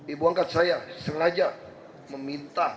ibu angkat saya sengaja meminta